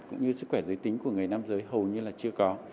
cũng như sức khỏe giới tính của người nam giới hầu như là chưa có